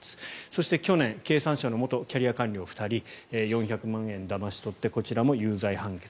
そして去年経産省の元キャリア官僚２人４００万円をだまし取ってこちらも有罪判決。